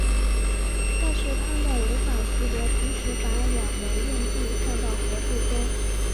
但是它们无法习得同时把两枚硬币放到盒子中。